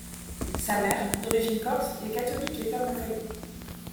Sa mère, d'origine corse, est catholique et femme au foyer.